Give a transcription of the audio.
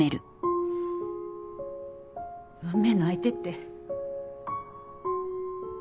運命の相手って。